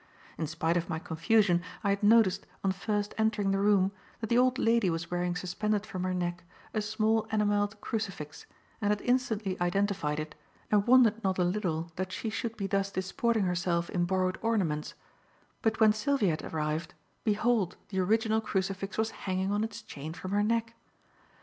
In spite of my confusion, I had noticed, on first entering the room, that the old lady was wearing suspended from her neck, a small enamelled crucifix, and had instantly identified it and wondered not a little that she should be thus disporting herself in borrowed ornaments; but when Sylvia had arrived, behold, the original crucifix was hanging on its chain from her neck.